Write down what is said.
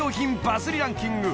バズりランキング